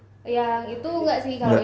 ya itu nggak sih